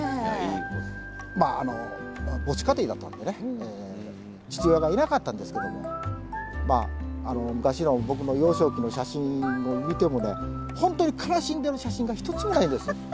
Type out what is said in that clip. まああの母子家庭だったんでね父親がいなかったんですけども昔の僕の幼少期の写真を見てもね本当に悲しんでる写真が一つもないです。